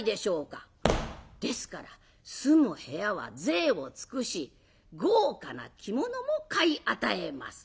ですから住む部屋は贅を尽くし豪華な着物も買い与えます。